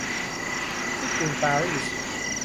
ที่กรุงปารีส